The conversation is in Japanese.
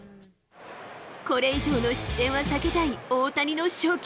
これ以上の失点は避けたい大谷の初球。